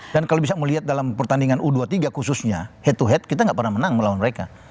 dan kalau bisa melihat dalam pertandingan u dua puluh tiga khususnya head to head kita tidak pernah menang melawan mereka